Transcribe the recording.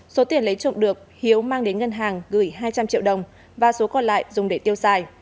số tiền lấy trộm được hiếu mang đến ngân hàng gửi hai trăm linh triệu đồng và số còn lại dùng để tiêu xài